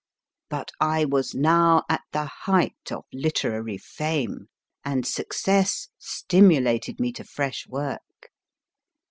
But I was now at the height of literary fame, and success stimulated me to fresh work.